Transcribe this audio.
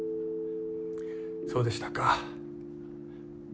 そうでしたか。